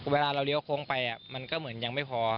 เวลาเราเลี้ยวโค้งไปมันก็เหมือนยังไม่พอ